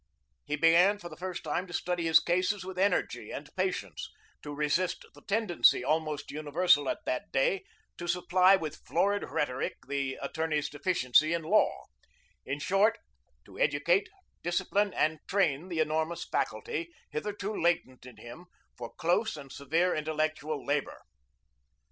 He began for the first time to study his cases with energy and patience; to resist the tendency, almost universal at that day, to supply with florid rhetoric the attorney's deficiency in law; in short, to educate, discipline, and train the enormous faculty, hitherto latent in him, for close and severe intellectual labor.